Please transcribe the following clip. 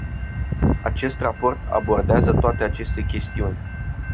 Acest raport abordează toate aceste chestiuni.